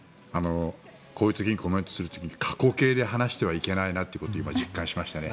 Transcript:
こういう時にコメントする時に過去形で話してはいけないなと今、実感しました。